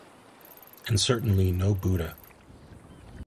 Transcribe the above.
And certainly no Buddha.